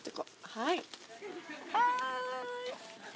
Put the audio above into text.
はい。